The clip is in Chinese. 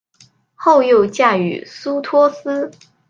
后又嫁予苏托斯。